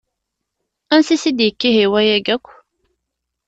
Ansi i s-d-ikka ihi wayagi akk?